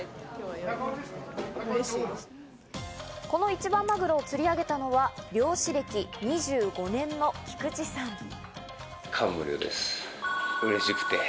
この一番マグロを釣り上げたのは漁師歴２５年の菊池さん。